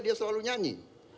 dia selalu nyanyi